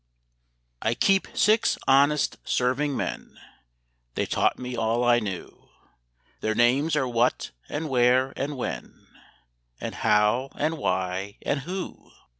I Keep six honest serving men: (They taught me all I knew) Their names are What and Where and When And How and Why and Who.